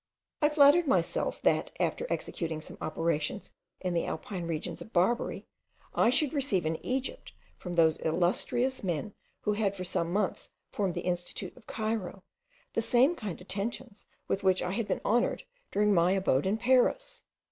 I flattered myself, that, after executing some operations in the alpine regions of Barbary, I should receive in Egypt from those illustrious men who had for some months formed the Institute of Cairo, the same kind attentions with which I had been honoured during my abode in Paris.